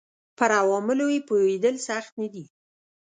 پر عواملو یې پوهېدل سخت نه دي.